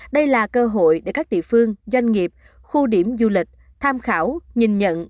điều này sẽ giúp các địa phương doanh nghiệp khu điểm du lịch tham khảo nhìn nhận